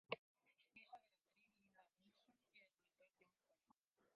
Hija de la actriz, Linda Lawson y del productor John Foreman.